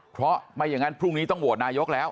เพราะไม่อย่างนั้นพรุ่งนี้ต้องโหวตนายกแล้ว